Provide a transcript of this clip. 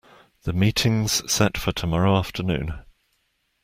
The meeting's set for tomorrow afternoon.